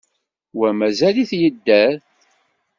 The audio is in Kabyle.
Wa mazal-t yedder.